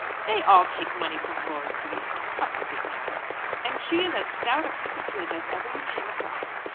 "They all take money from lords," he replied. "What does it matter? And she is as stout a piece of goods as ever you came across.